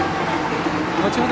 後ほど